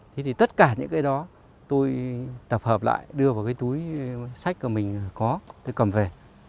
thế thì tất cả những cái đó tôi tập hợp lại đưa vào cái túi sách của mình có tôi cầm về